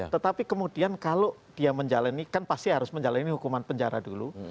tetapi kemudian kalau dia menjalani kan pasti harus menjalani hukuman penjara dulu